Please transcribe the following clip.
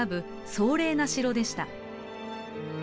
壮麗な城でした。